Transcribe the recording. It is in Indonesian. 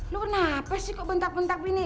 lo kenapa sih kok bentak bentak gini